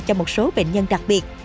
cho một số bệnh nhân đặc biệt